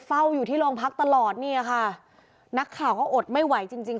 เฝ้าอยู่ที่โรงพักตลอดเนี่ยค่ะนักข่าวก็อดไม่ไหวจริงจริง